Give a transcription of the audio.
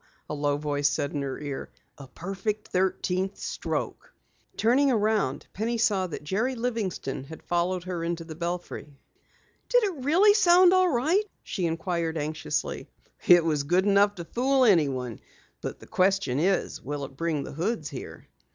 a low voice said in her ear. "A perfect thirteenth stroke!" Turning around, Penny saw that Jerry Livingston had followed her into the belfry. "Did it really sound all right?" she inquired anxiously. "It was good enough to fool anyone. But the question is, will it bring the Hoods here?"